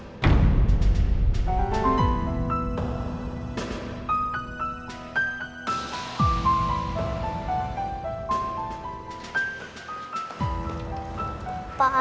jadi apa yang akan saya lakukan